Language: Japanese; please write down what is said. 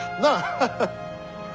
ハハハッ。